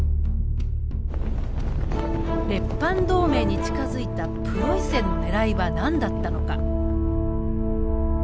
列藩同盟に近づいたプロイセンのねらいは何だったのか。